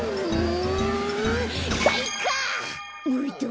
うん！